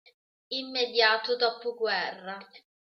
Immediato dopoguerra.